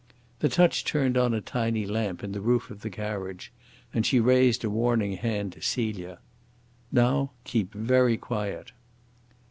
The touch turned on a tiny lamp in the roof of the carriage, and she raised a warning hand to Celia. "Now keep very quiet."